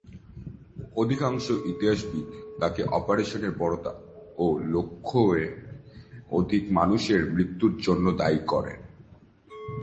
অধিকাংশ ইতিহাসবিদ তাকে অপারেশনের বর্বরতা ও লক্ষের অধিক মানুষের মৃত্যুর জন্য দায়ী করেন।